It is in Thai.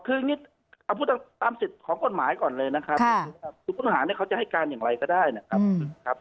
คือนี่เอาพูดตามสิทธิ์ของกฎหมายก่อนเลยนะครับคือผู้ต้องหาเนี่ยเขาจะให้การอย่างไรก็ได้นะครับ